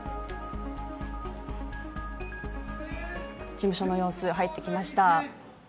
事務所の様子、入ってきました。